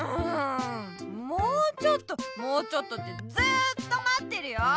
もうちょっともうちょっとってずっとまってるよ！